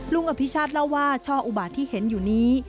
อภิชาติเล่าว่าช่ออุบาทที่เห็นอยู่นี้